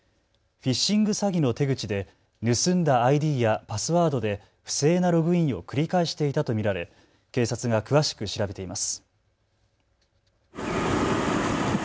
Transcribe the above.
フィッシング詐欺の手口で盗んだＩＤやパスワードで不正なログインを繰り返していたと見られ警察が詳しく調べています。